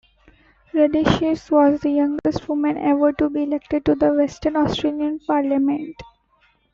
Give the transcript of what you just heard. Radisich was the youngest woman ever to be elected to the Western Australian parliament.